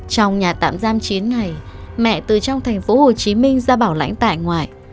trong nhà tạm giam chín ngày mẹ từ trong tp hcm ra bảo lãnh tại ngoại